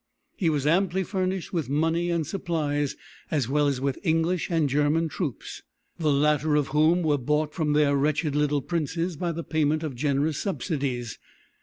He was amply furnished with money and supplies as well as with English and German troops, the latter of whom were bought from their wretched little princes by the payment of generous subsidies.